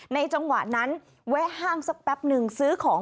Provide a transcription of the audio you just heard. จังหวะนั้นแวะห้างสักแป๊บนึงซื้อของ